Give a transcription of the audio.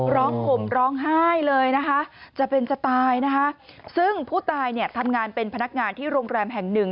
ห่มร้องไห้เลยนะคะจะเป็นจะตายนะคะซึ่งผู้ตายเนี่ยทำงานเป็นพนักงานที่โรงแรมแห่งหนึ่ง